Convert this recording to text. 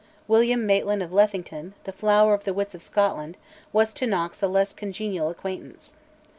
William Maitland of Lethington, "the flower of the wits of Scotland," was to Knox a less congenial acquaintance.